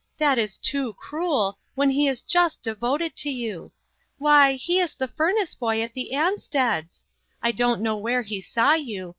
That is too cruel, when he is just devoted to you ! Why, he is the furnace boy at the Ansteds. I don't know where he saw you.